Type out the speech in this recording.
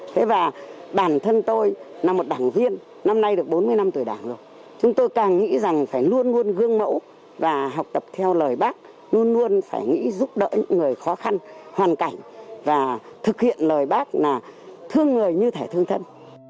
thế và bản thân tôi là một đảng viên năm nay được bốn mươi năm tuổi đảng rồi chúng tôi càng nghĩ rằng phải luôn luôn gương mẫu và học tập theo lời bác luôn luôn phải nghĩ giúp đỡ những người khó khăn hoàn cảnh và thực hiện lời bác là thương người như thẻ thương thân